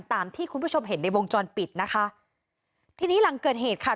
ตามที่คุณผู้ชมเห็นในวงจรปิดนะคะทีนี้หลังเกิดเหตุค่ะ